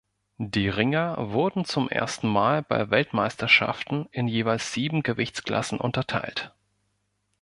Die Ringer wurden zum ersten Mal bei Weltmeisterschaften in jeweils sieben Gewichtsklassen unterteilt.